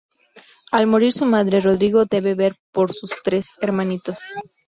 Al morir su madre, Rodrigo debe ver por sus tres hermanitos.